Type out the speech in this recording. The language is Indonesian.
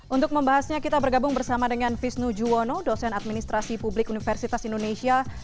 untuk membahasnya kita bergabung bersama dengan visnu juwono dosen administrasi publik universitas indonesia